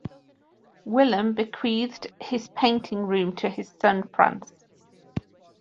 Willem bequeathed his painting-room to his son Frans.